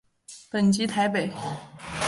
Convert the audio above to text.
本籍台北。